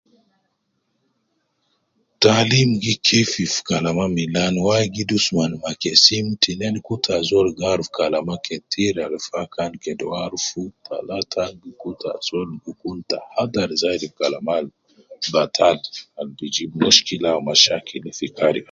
Taalim gi kefif kalama milani, wayi gi dusman ma kesim. Tinen gi kutu ajol gi arufu kalama ketir, al faa kede uwo arufu. Talata, gi kutu ajol gi kun tahadhar ma kalama al batal, al gi jibu mushkila, awu shakil fi kariya.